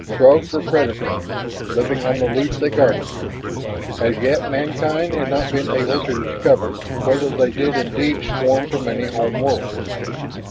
Throgs were predators, living on the loot they garnered. As yet, mankind had not been able to discover whether they did indeed swarm from any home world.